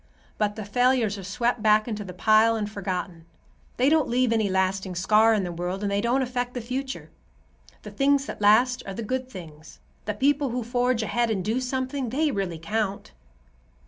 But the failures are swept back into the pile and forgotten. They don't leave any lasting scar in the world, and they don't affect the future. The things that last are the good things. The people who forge ahead and do something, they really count."